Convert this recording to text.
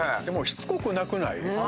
でもしつこくなくない？